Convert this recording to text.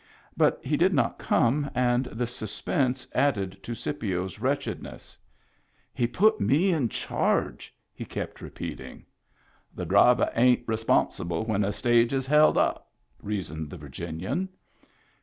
But he did not come, and the suspense added to Scipio's wretchedness. " He put me in charge," he kept repeating. " The driver ain't responsible when a stage is held up," reasoned the Virginian.